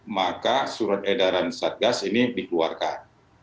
maka surat edaran satgas ini dikeluarkan